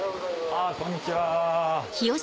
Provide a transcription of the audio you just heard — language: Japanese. あっこんにちは。